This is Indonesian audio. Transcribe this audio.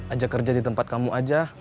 ajak kerja di tempat kamu aja